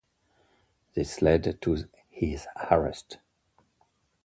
This led to his arrest.